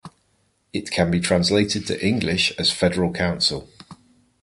It can be translated to English as Federal Council.